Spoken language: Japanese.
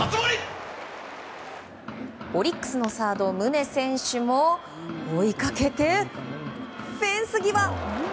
オリックスのサード、宗選手も追いかけて、フェンス際！